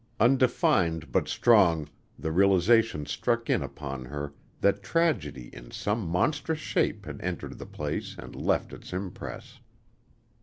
Undefined but strong, the realization struck in upon her that tragedy in some monstrous shape had entered the place and left its impress.